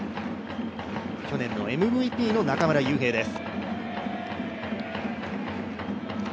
去年のＭＶＰの中村悠平です。